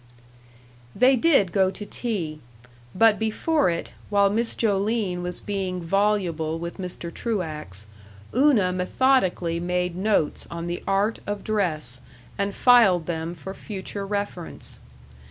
They did go to tea. But before it, while Miss Joline was being voluble with Mr. Truax, Una methodically made notes on the art of dress and filed them for future reference.